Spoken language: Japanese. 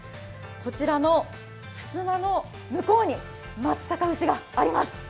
こちらのふすまの向こうに松阪牛があります。